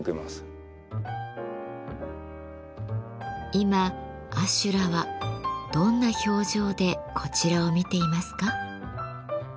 今阿修羅はどんな表情でこちらを見ていますか？